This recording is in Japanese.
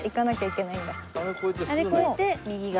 あれ越えて右側。